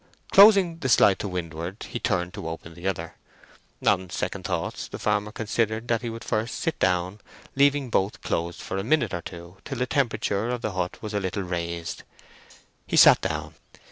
Closing the slide to windward, he turned to open the other; on second thoughts the farmer considered that he would first sit down leaving both closed for a minute or two, till the temperature of the hut was a little raised. He sat down.